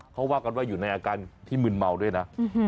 เขาว่ากันว่าอยู่ในอาการที่มึนเมาด้วยนะ